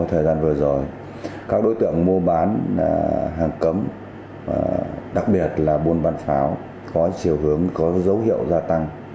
hàng cấm đặc biệt là buôn bán pháo có chiều hướng có dấu hiệu gia tăng